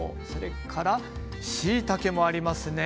それからしいたけもありますね。